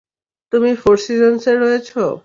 তুমি ফোর সিজনস-এ রয়েছ।